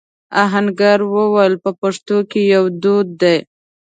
آهنګر وويل: په پښتنو کې يو دود دی.